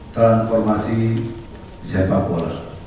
transformasi sepak bola